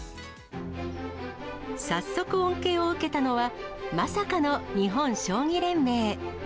早速恩恵を受けたのは、まさかの日本将棋連盟。